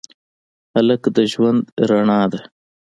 هلک د ژوند رڼا ده.